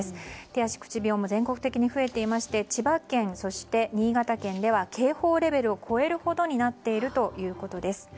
手足口病も全国的に増えていまして千葉県そして新潟県では警報レベルを超えるほどになっているということです。